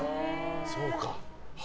そうか。